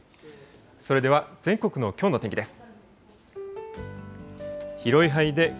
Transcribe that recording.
それでは全国のきょうの天気です。